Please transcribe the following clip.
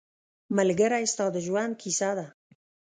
ملګری ستا د ژوند کیسه ده